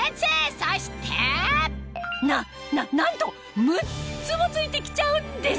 そしてなななんと６つも付いてきちゃうんです！